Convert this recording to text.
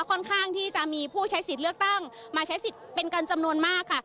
ค่อนข้างที่จะมีผู้ใช้สิทธิ์เลือกตั้งมาใช้สิทธิ์เป็นกันจำนวนมากค่ะ